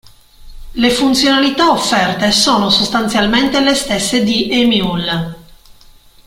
Le funzionalità offerte sono sostanzialmente le stesse di eMule.